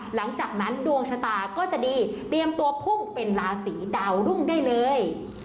หลังจากนั้นดวงชะตาก็จะดีเตรียมตัวพุ่งเป็นราศีดาวรุ่งได้เลย